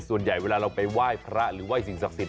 ส่วนใหญ่เวลาเราไปไหว้พระหรือไห้สิ่งศักดิ์สิท